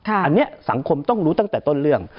อันนี้สังคมต้องรู้ตั้งแต่ต้นเรื่อง